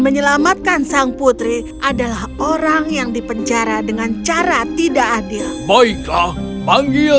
menyelamatkan sang putri adalah orang yang dipenjara dengan cara tidak adil baiklah panggil